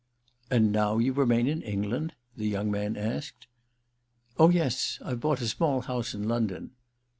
"And now you remain in England?" the young man asked. "Oh yes; I've bought a small house in London."